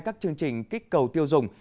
các chương trình kích cầu tiêu dùng